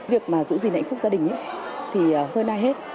việc mà giữ gìn hạnh phúc gia đình thì hơn ai hết